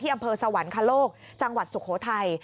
อำเภอสวรรคโลกจังหวัดสุโขทัย